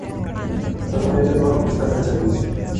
Actualmente no están en servicio.